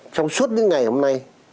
trong suốt những ngày hôm nay